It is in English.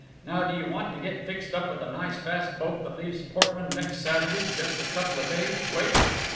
Now, do you want to get fixed up with a nice fast boat that leaves Portland next Saturday, just a couple of days' wait?"